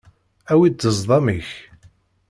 Awi-d ṭṭezḍam-ik.